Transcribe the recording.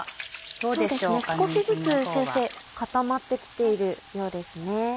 そうですね少しずつ先生固まってきているようですね。